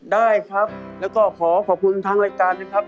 ได้ครับแล้วก็ขอขอบคุณทางรายการนะครับ